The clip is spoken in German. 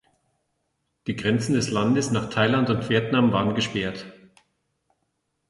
Die Grenzen des Landes nach Thailand und Vietnam waren gesperrt.